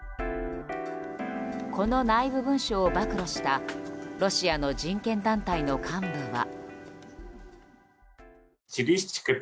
この内部文書を暴露したロシアの人権団体の幹部は。